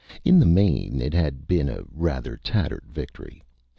In the main, it had been a rather tattered victory.